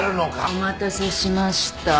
お待たせしました。